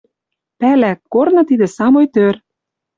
Пӓла, корны тидӹ самой тӧр.